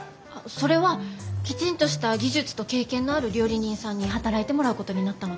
それはきちんとした技術と経験のある料理人さんに働いてもらうことになったので。